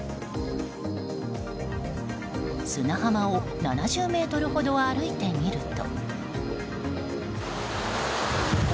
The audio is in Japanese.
砂浜を７０ｍほど歩いてみると。